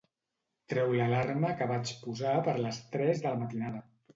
Treu l'alarma que vaig posar per les tres de la matinada.